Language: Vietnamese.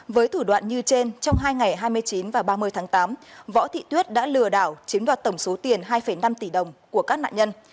với thủ đoạn như trên trong hai ngày hai mươi chín và ba mươi tháng tám võ thị tuyết đã lừa đảo chiếm đoạt tổng số tiền hai năm tỷ đồng của các nạn nhân